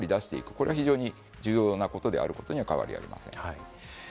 これが非常に重要なことであることに変わりありません。